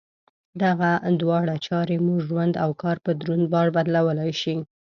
دغه دواړه چارې مو ژوند او کار په دروند بار بدلولای شي.